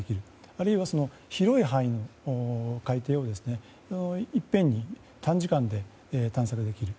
あるいは広い範囲の海底をいっぺんに短時間で探索できる。